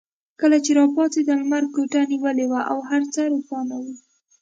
کله چې راپاڅېدم لمر کوټه نیولې وه او هر څه روښانه وو.